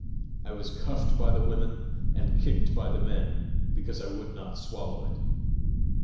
I was cuffed by the women and kicked by the men because I would not swallow it.